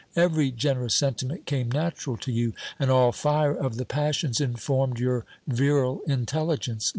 Every generous sentiment came natural to you, and all fire of the passions informed your virile intelligence.